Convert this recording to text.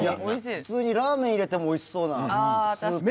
普通にラーメン入れても美味しそうなスープ。